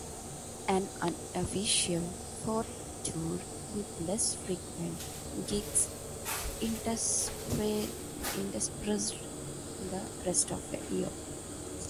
An unofficial fourth tour with less frequent gigs interspersed the rest of the year.